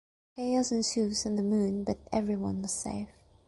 Chaos ensues on the moon but everyone was safe.